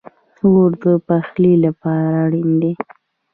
اور د پخلی لپاره اړین دی